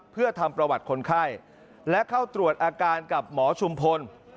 เพื่อทำประวัติคนไข้และเข้าตรวจอาการกับหมอชุมพล